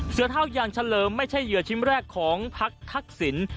เท่าอย่างเฉลิมไม่ใช่เหยื่อชิ้นแรกของพักทักษิณ